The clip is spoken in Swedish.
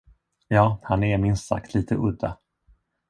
Ja, han är minst sagt lite udda.